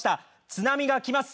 津波がきます。